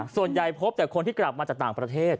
พบแต่คนที่กลับมาจากต่างประเทศ